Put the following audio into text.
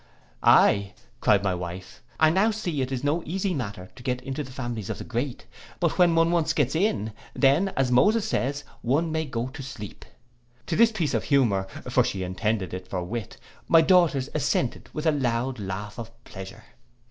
'Ay,' cried my wife, I now see it is no easy matter to get into the families of the great; but when one once gets in, then, as Moses says, one may go sleep.' To this piece of humour, for she intended it for wit, my daughters assented with a loud laugh of pleasure.